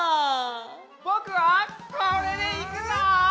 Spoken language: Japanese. ぼくはこれでいくぞ！